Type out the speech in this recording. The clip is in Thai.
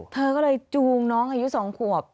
เธอก็เลยจูงน้องอายุ๒ขวบ